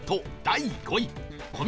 第５位古